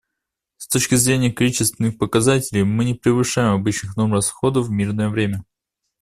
С точки зрения количественных показателей мы не превышаем обычных норм расходов в мирное время.